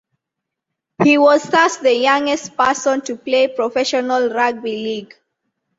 He was thus the youngest person to play professional rugby league.